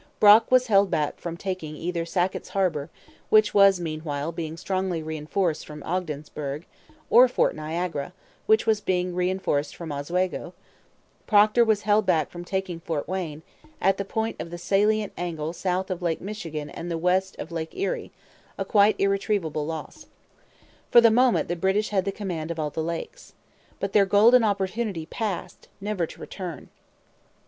Brock was held back from taking either Sackett's Harbour, which was meanwhile being strongly reinforced from Ogdensburg, or Fort Niagara, which was being reinforced from Oswego, Procter was held back from taking Fort Wayne, at the point of the salient angle south of Lake Michigan and west of Lake Erie a quite irretrievable loss. For the moment the British had the command of all the Lakes. But their golden opportunity passed, never to return.